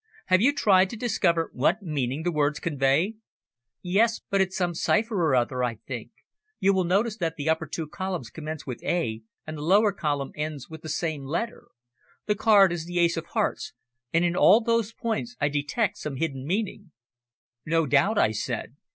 "Have you tried to discover what meaning the words convey?" "Yes; but it's some cipher or other, I think. You will notice that the two upper columns commence with `A,' and the lower column ends with the same letter. The card is the ace of hearts, and in all those points I detect some hidden meaning." "No doubt," I said.